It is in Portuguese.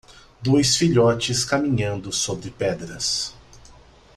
Dois filhotes caminhando sobre pedras.